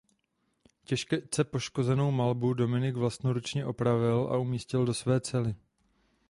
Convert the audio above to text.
Těžce poškozenou malbu Dominik vlastnoručně opravil a umístil do své cely.